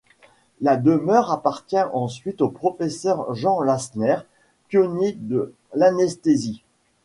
La demeure appartient ensuite au professeur Jean Lassner, pionnier de l'anesthésie.